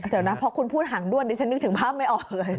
เดี๋ยวนะพอคุณพูดหางด้วนดิฉันนึกถึงภาพไม่ออกเลย